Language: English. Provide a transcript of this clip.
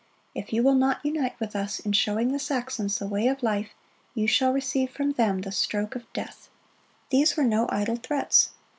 If you will not unite with us in showing the Saxons the way of life, you shall receive from them the stroke of death."(98) These were no idle threats.